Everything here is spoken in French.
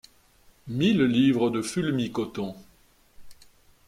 mille livres de fulmi-coton.